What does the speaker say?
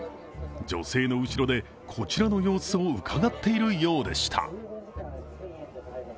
女性の後ろでこちらの様子をうかがっているようでした。